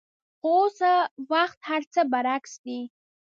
خو اوس وخت هرڅه برعکس دي.